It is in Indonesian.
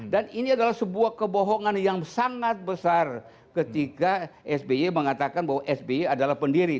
dan ini adalah sebuah kebohongan yang sangat besar ketika sby mengatakan bahwa sby adalah pendiri